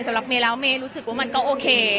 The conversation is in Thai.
สำหรับเมเราเมร์รู้สึกว่ามันก็โอเค